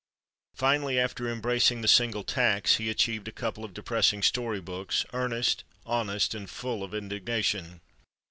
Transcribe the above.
Finally, after embracing the Single Tax, he achieved a couple of depressing story books, earnest, honest and full of indignation.